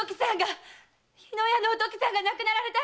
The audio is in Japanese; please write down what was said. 日野屋のおときさんが亡くなられたんです！